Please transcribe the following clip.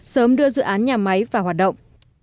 sớm đưa dự án nhà máy vào hoạt động